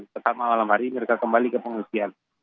tetap malam hari mereka kembali ke pengungsian